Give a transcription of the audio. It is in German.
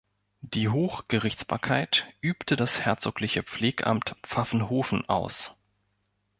Die Hochgerichtsbarkeit übte das herzogliche Pflegamt Pfaffenhofen aus.